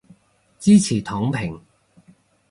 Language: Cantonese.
支持躺平